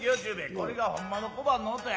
これがほんまの小判の音や。